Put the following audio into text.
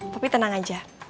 tapi tenang aja